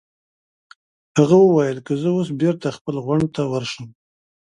هغه وویل: که زه اوس بېرته خپل غونډ ته ورشم.